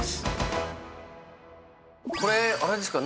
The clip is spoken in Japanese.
これあれですか？